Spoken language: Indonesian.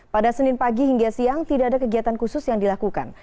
pada senin pagi hingga siang tidak ada kegiatan khusus yang dilakukan